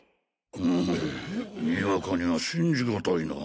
うむにわかには信じがたいな。